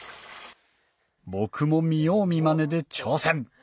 僕も見よう見まねで挑戦！